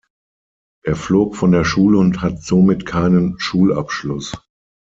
Er flog von der Schule und hat somit keinen Schulabschluss.